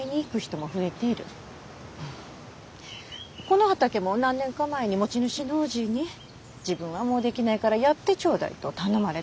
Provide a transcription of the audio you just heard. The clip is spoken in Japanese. この畑も何年か前に持ち主のおじぃに自分はもうできないからやってちょうだいと頼まれたわけ。